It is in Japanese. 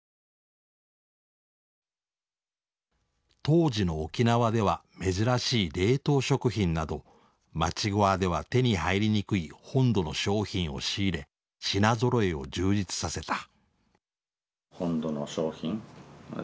当時の沖縄では珍しい冷凍食品などまちぐゎーでは手に入りにくい本土の商品を仕入れ品ぞろえを充実させた。